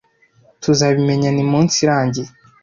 Tuzabimenya nimunsi irangiye.